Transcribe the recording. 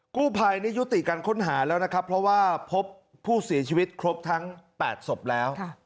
กู้ภัยนี่ยุติการค้นหาแล้วนะครับเพราะว่าพบผู้เสียชีวิตครบทั้ง๘ศพแล้ว